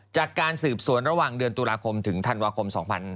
จากการสืบสวนระหว่างเดือนตุลาคมถึงธันวาคม๒๕๕๙